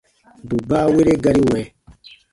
Bù baawere gari wɛ̃.